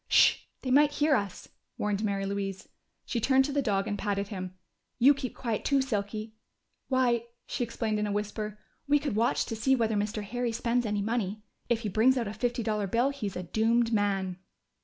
"Sh! They might hear us!" warned Mary Louise. She turned to the dog and patted him. "You keep quiet too, Silky.... Why," she explained in a whisper, "we could watch to see whether Mr. Harry spends any money. If he brings out a fifty dollar bill, he's a doomed man!"